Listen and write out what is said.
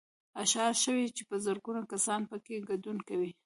اشاره شوې چې په زرګونه کسان پکې ګډون کوي